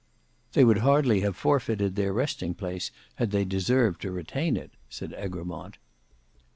"They would hardly have forfeited their resting place had they deserved to retain it," said Egremont.